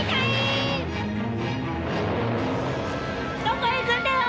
どこへ行くんだよ！